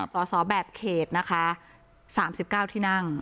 สอสอแบบเขตนะคะ๓๙ที่นั่ง